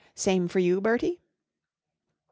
Same for you, Bertie ?